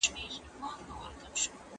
مېرمن هر څه پرېږدي او د خاوند کور ته راځي.